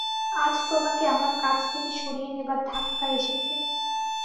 আজ তোমাকে আমার কাছ থেকে সরিয়ে নেবার ধাক্কা এসেছে।